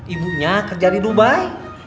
ibunya kerja di dubai